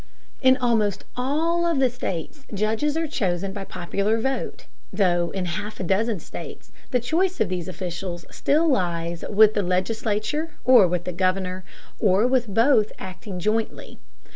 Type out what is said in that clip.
In almost all of the states judges are chosen by popular vote, though in half a dozen states the choice of these officials still lies with the legislature or with the Governor, or with both acting jointly.